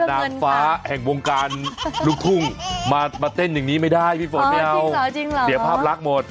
นางฟ้าแห่งวงการลูกทุ่งมาเต้นอย่างนี้ไม่ได้พี่ฝนไม่เอาเสียภาพลักษณ์หมด